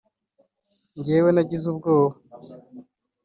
njyewe nagize ubwoba